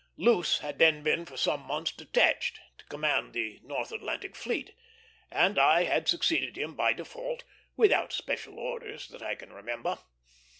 Luce had then been for some months detached, to command the North Atlantic fleet, and I had succeeded him by default, without special orders that I can remember.